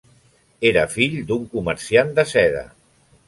Era fill d'un comerciant de seda.